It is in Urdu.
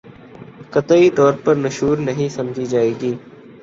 قطعی طور پر نشوزنہیں سمجھی جائے گی